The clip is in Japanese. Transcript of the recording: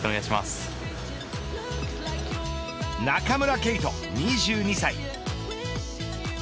中村敬斗２２歳。